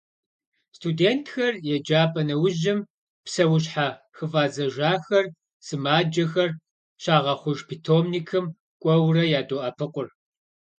Студентхэр еджапӏэ нэужьым, псэущьхьэ хыфӏадзэжахэр, сымаджэхэр, щагъэхъуж питомникым кӏуэуэрэ ядоӏэпыкъур.